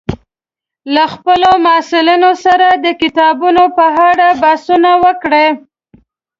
له خپلو محصلینو سره د کتابونو په اړه بحثونه وکړئ